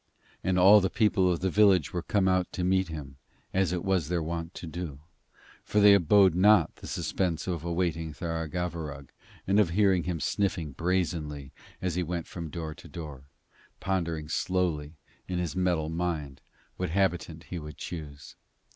And all the people of the village were come out to meet him, as it was their wont to do; for they abode not the suspense of awaiting Tharagavverug and of hearing him sniffing brazenly as he went from door to door, pondering slowly in his metal mind what habitant he should choose.